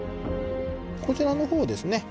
こちらの方ですねへえ。